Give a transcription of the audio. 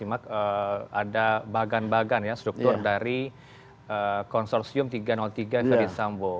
ada bagan bagan ya struktur dari konsorsium tiga ratus tiga verdi sambo